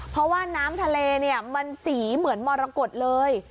เพราะว่าน้ำทะเลเนี่ยมันสีเหมือนมรกฏเลย